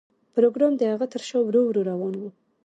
پروګرامر د هغه تر شا ورو ورو روان و